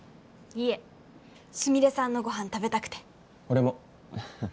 いえすみれさんのごはん食べたくて。俺も。